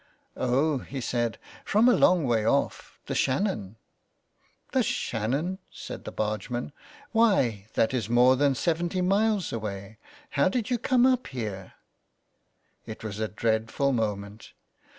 '^ Oh," he said, " from a long way off, the Shannon." '' The Shannon !" said the bargeman. '' Why, that is more than seventy miles away. How did you come up here? " It was a dreadful moment.